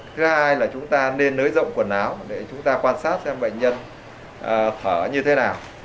thứ hai là chúng ta nên nới rộng quần áo để chúng ta quan sát xem bệnh nhân thở như thế nào